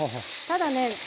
ただね